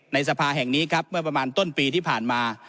สภาแห่งนี้ครับเมื่อประมาณต้นปีที่ผ่านมา